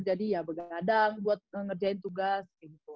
jadi ya bergadang buat ngerjain tugas